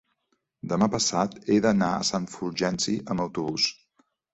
Demà passat he d'anar a Sant Fulgenci amb autobús.